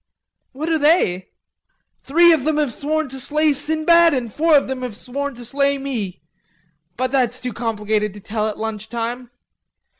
"What are they?" "Three of them have sworn to slay Sinbad, and four of them have sworn to slay me.... But that's too complicated to tell at lunch time....